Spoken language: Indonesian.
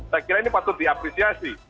saya kira ini patut diapresiasi